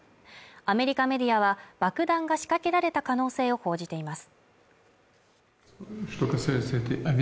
アメリカメディアは爆弾が仕掛けられた可能性を報じています